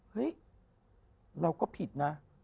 เฮ้ยเราก็ผิดนะ